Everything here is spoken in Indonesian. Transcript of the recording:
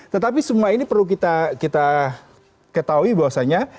tetapi semua ini perlu kita ketahui bahwasannya